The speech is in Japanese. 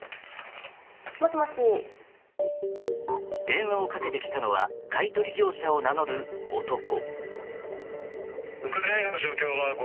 電話をかけてきたのは買い取り業者を名乗る男。